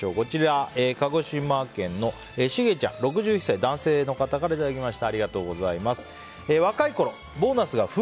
鹿児島県の６１歳、男性の方からいただきました。